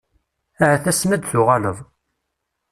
Ahat ass-n ad tuɣaleḍ.